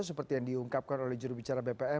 seperti yang diungkapkan oleh jurubicara bpn